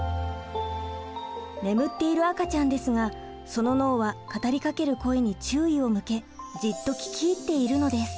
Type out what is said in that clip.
眠っている赤ちゃんですがその脳は語りかける声に注意を向けじっと聞き入っているのです。